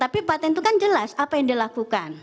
tapi patent itu kan jelas apa yang dilakukan